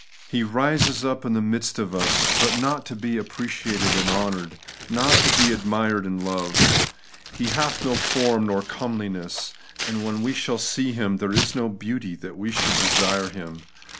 He rises up in the midst of us> but not to be appreciated and honoured; not to be admired or loved. * He hath no form nor comeliness ; and when we shall see Him, there is no beauty that we should desire Him.'